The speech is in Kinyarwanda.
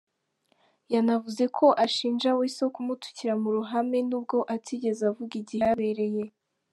Yanavuze ko ashinja Weasel kumutukira mu ruhame n’ubwo atigeze avuga igihe byabereye.